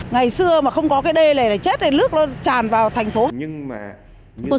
ngày xưa mà không có cái đê này là chết này nước nó tràn vào thành phố